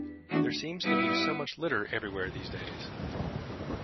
There seems to be so much litter everywhere these days